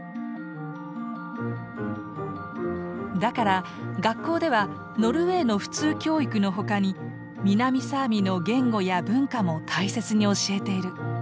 だから学校ではノルウェーの普通教育の他に南サーミの言語や文化も大切に教えてる。